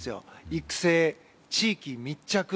育成、地域密着。